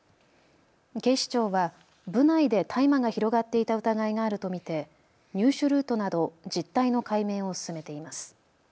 警視庁は部内で大麻が広がっていた疑いがあると見て入手ルートなど実態の解明を進めています。